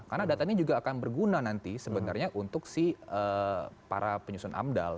karena datanya juga akan berguna nanti sebenarnya untuk si para penyusun amdal